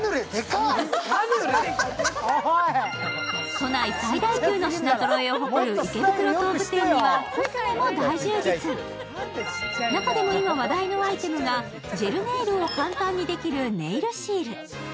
都内最大級の品ぞろえを誇る池袋東武店には中でも今、話題のアイテムがジェルネイルを簡単にできるネイルシール。